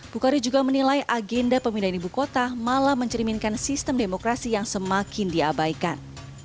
bukari juga menilai agenda pemindahan ibu kota malah mencerminkan sistem demokrasi yang semakin diabaikan